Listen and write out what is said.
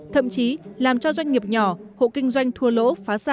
thậm chí làm cho doanh nghiệp nhỏ hộ kinh doanh thua lỗ